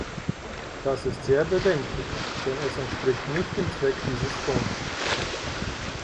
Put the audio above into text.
Das ist sehr bedenklich, denn es entspricht nicht dem Zweck dieses Fonds.